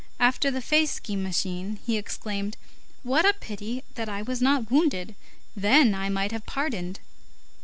After the Fieschi machine, he exclaimed: "What a pity that I was not wounded! Then I might have pardoned!"